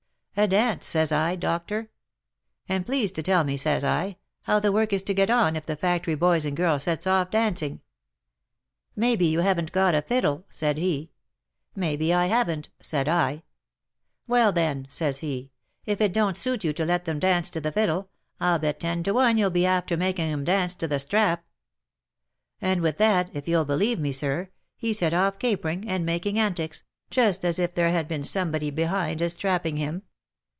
A dance! says I, doctor. And please to tell me, says I, how the work is to get on, if the factory boys and girls sets off dancing?" "' Maybe you haven't got a fiddle V " said he. " Maybe I haven't," said I. "* Well, then,' says he, ' if it don't suit you to let them dance to the fiddle, I'll bet ten to one you'll be after making 'em dance to the strap.' And with that, if you'll believe me, sir, he set off caper ing, and making antics, just as if there had been somebody behind a strapping him.